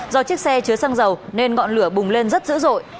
do chiếc xe chứa xăng dầu nên ngọn lửa bùng lên rất dữ dội